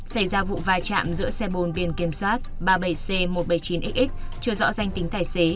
xảy ra vụ vai trạm giữa xe bồn biên kiểm soát ba mươi bảy c một trăm bảy mươi chín xx chưa rõ danh tính thải xế